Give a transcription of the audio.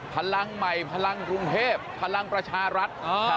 พลังใหม่พลังกรุงเทพพลังประชารัฐ